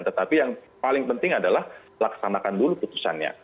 tetapi yang paling penting adalah laksanakan dulu putusannya